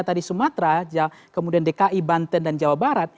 tadi sumatera kemudian dki banten dan jawa barat